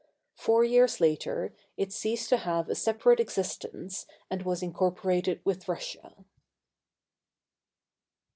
Four years later, it ceased to have a separate existence and was incorporated with Russia.